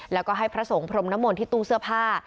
แล้วก็ให้พระสงฆ์พรมนมลที่ตู้เสื้อผ้า